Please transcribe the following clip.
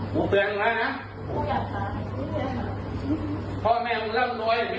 ปูจะแก้ปัญหาแก้เป็นต้องอยู่ตอนนี้